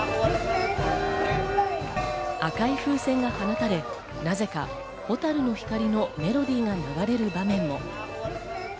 赤い風船が放たれ、なぜか『蛍の光』のメロディーが流れる場面も。